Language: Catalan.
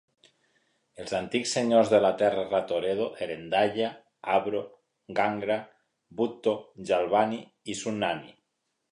Els antics senyors de la terra de Ratodero eren Daya, Abro, Ghanghra, Bhutto, Jalbani i sunnani.